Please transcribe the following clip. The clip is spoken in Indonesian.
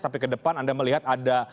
sampai ke depan anda melihat ada